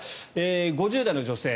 ５０代の女性。